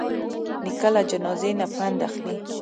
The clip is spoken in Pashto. نیکه له جنازې نه پند اخلي.